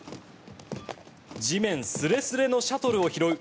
地面すれすれのシャトルを拾う